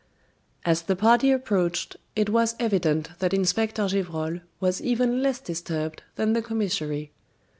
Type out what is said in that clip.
As the party approached it was evident that Inspector Gevrol was even less disturbed than the commissary.